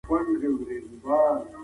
بد اخلاق تل سپکاوی زياتوي